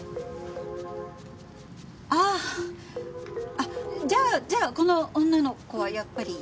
あっじゃあじゃあこの女の子はやっぱり。